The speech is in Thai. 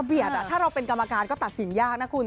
ถ้าเราเป็นกรรมการก็ตัดสินยากนะคุณ